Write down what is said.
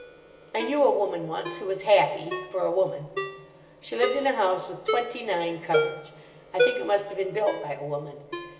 I knew a woman once who was happy—for a woman. She lived in a house with twenty nine cupboards: I think it must have been built by a woman.